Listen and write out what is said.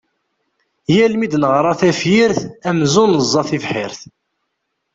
Yal mi d-neɣra tafyirt, amzun neẓẓa tibḥirt.